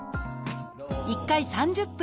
１回３０分。